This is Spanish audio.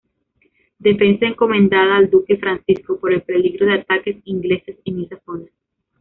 Defensa encomendada al duque Francisco, por el peligro de ataques ingleses en esa zona.